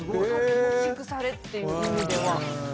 持ち腐れっていう意味では。